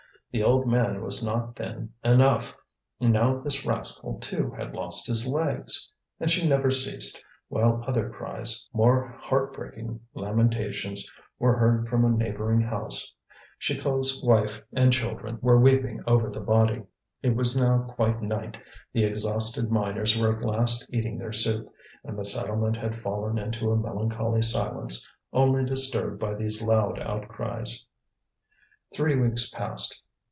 The old man was not then enough, now this rascal too had lost his legs! And she never ceased; while other cries, more heart breaking lamentations, were heard from a neighbouring house: Chicot's wife and children were weeping over the body. It was now quite night, the exhausted miners were at last eating their soup, and the settlement had fallen into a melancholy silence, only disturbed by these loud outcries. Three weeks passed.